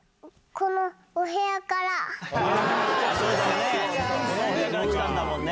このお部屋から来たんだもんね。